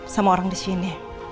sama orang disini